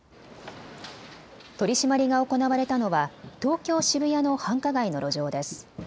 取締りが行われたのは東京渋谷の繁華街の路上です。